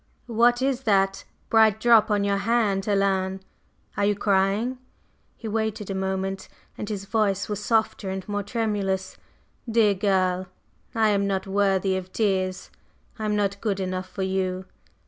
What is that bright drop on your hand, Helen? are you crying?" He waited a moment, and his voice was softer and more tremulous. "Dear girl, I am not worthy of tears. I am not good enough for you."